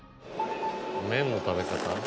麺の食べ方？